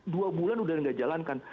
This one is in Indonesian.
dua bulan udah nggak jalankan